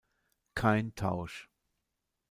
Kein Tausch.